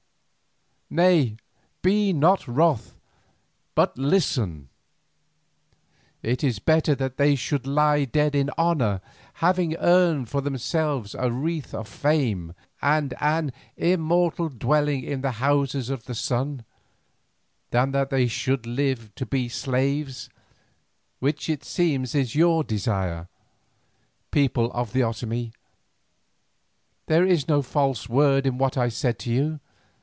Nay, be not wroth, but listen. It is better that they should lie dead in honour, having earned for themselves a wreath of fame, and an immortal dwelling in the Houses of the Sun, than that they should live to be slaves, which it seems is your desire, people of the Otomie. There is no false word in what I said to you.